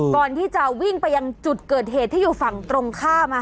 ก่อนที่จะวิ่งไปยังจุดเกิดเหตุที่อยู่ฝั่งตรงข้าม